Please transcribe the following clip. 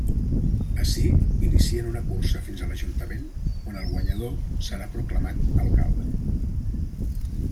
Ací inicien una cursa fins a l'Ajuntament on el guanyador serà proclamat alcalde.